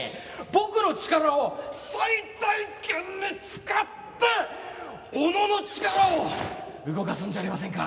僕の力を最大限に使って小野の力を動かすんじゃありませんか。